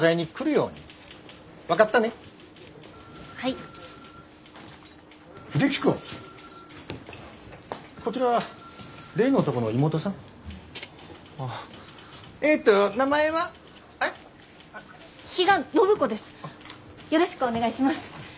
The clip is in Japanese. よろしくお願いします。